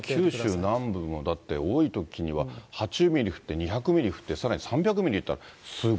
九州南部もだって、多いときには８０ミリ降って２００ミリ降って、さらに３００ミリはい。